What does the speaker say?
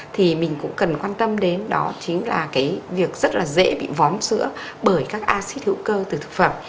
thì mình cũng cần quan tâm đến đó chính là cái việc rất là dễ bị vón sữa bởi các acid hữu cơ từ thực phẩm